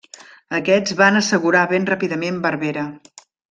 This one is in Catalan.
Aquests van assegurar ben ràpidament Berbera.